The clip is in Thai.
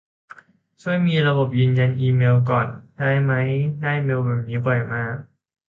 ช่วยมีระบบยืนยันอีเมลก่อนได้ไหม ได้เมลแบบนี้บ่อยมาก